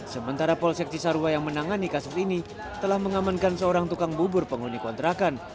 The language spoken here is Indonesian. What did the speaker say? sementara polsek cisarua yang menangani kasus ini telah mengamankan seorang tukang bubur penghuni kontrakan